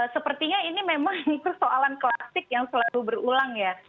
sepertinya ini memang persoalan klasik yang selalu berulang ya